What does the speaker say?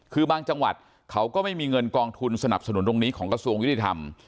คือบางจังหวัดเขาก็ไม่มีเงินกองทุนสนับสนุนตรงนี้ของกระทรวงยุติธรรม